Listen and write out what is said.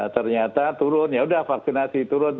ternyata turun yaudah vaksinasi turun